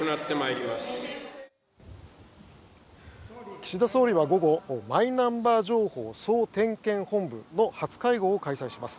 岸田総理は午後マイナンバー情報総点検本部の初会合を開催します。